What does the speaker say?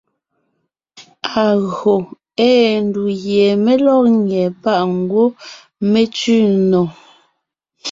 Agÿò ée ndù gie mé lɔ́g nyɛ́ páʼ ngwɔ́ mé tsẅi nò.